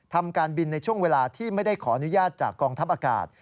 ทำการบินในช่วงเวลาที่ไม่ได้ขออนุญาตจากกองทัพอากาศ